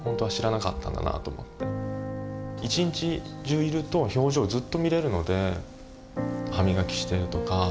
一日中いると表情をずっと見れるので歯磨きしてるとか「できたよ